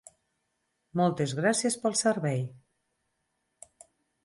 Moltes gràcies pel servei!